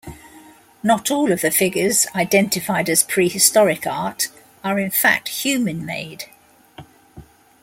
Not all of the figures identified as prehistoric art are in fact human made.